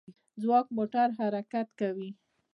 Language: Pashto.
ځواک موټور حرکت کوي.